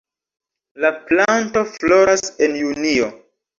La planto floras en junio.